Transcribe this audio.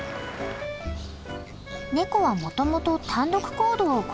ネコはもともと単独行動を好む生き物。